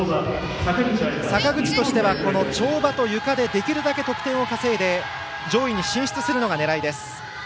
坂口としては跳馬とゆかでできるだけ得点を稼いで上位に進出するのが狙いです。